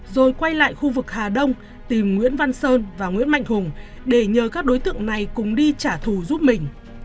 rồi quay lại khu vực hà đông tìm nguyễn văn sơn và nguyễn mạnh hùng để nhờ các đối tượng này cùng đi trả thù giúp mình